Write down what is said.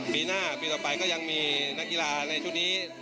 ปีหน้าปีต่อไปก็ยังมีนักกีฬาในชุดนี้